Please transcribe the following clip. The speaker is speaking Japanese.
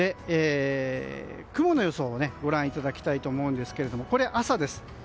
雲の予想をご覧いただきたいんですがこれは朝です。